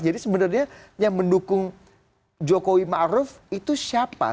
jadi sebenarnya yang mendukung jokowi ma'ruf itu siapa